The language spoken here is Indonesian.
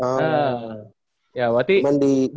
kalau gak salah gak sampe